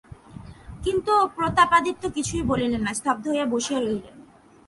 কিন্তু প্রতাপাদিত্য কিছুই বলিলেন না, স্তব্ধ হইয়া বসিয়া রহিলেন।